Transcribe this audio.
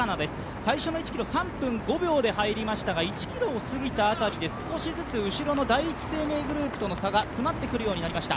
最初の１ｋｍ、３分５秒で入りましたが１ｋｍを過ぎた辺りで少しずつ後ろの第一生命グループとの差が詰まってくるようになりました。